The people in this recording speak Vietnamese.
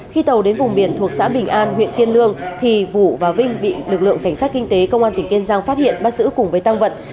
khi tàu đến vùng biển thuộc xã bình an huyện kiên lương thì vũ và vinh bị lực lượng cảnh sát kinh tế công an tỉnh kiên giang phát hiện bắt giữ cùng với tăng vật